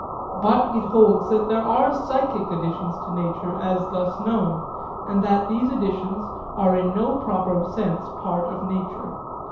But it holds that there are psychic additions to nature as thus known, and that these additions are in no proper sense part of nature.